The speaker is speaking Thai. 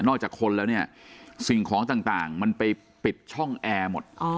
ออกจากคนแล้วเนี่ยสิ่งของต่างมันไปปิดช่องแอร์หมด